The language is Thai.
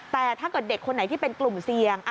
แต่ถ้าเกิดเด็กคนไหนที่เป็นกลุ่มเสี่ยง